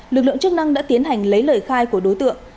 lực lượng chức năng đã tiến hành lấy lời khai của đối tượng